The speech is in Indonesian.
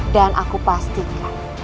dan aku pastikan